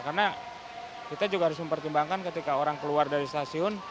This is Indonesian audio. karena kita juga harus mempertimbangkan ketika orang keluar dari stasiun